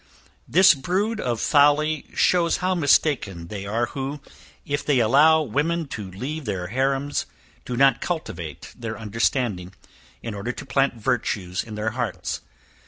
This brood of folly shows how mistaken they are who, if they allow women to leave their harams, do not cultivate their understanding, in order to plant virtues in their hearts.